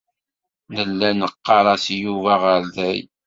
Nella neɣɣar-as i Yuba aɣerday.